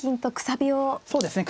そうですね。